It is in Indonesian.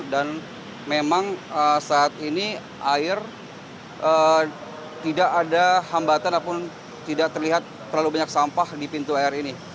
dan memang saat ini air tidak ada hambatan apun tidak terlihat terlalu banyak sampah di pintu air ini